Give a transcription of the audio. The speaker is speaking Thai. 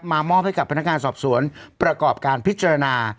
มอบให้กับพนักงานสอบสวนประกอบการพิจารณา